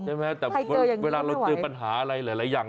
ใช่ไหมแต่เวลาเราเจอปัญหาอะไรหลายอย่าง